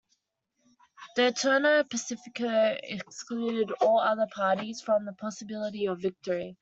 The Turno Pacifico excluded all other parties from the possibility of victory.